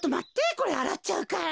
これあらっちゃうから。